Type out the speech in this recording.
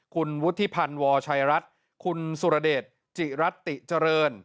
คุณวุฒิพันธ์วชัยรัฐคุณสุรเดชจิรัตติเจริญ